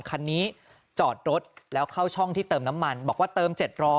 คันนี้จอดรถแล้วเข้าช่องที่เติมน้ำมันบอกว่าเติม๗๐๐